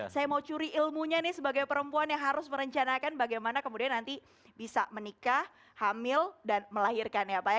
saya mau curi ilmunya nih sebagai perempuan yang harus merencanakan bagaimana kemudian nanti bisa menikah hamil dan melahirkan ya pak ya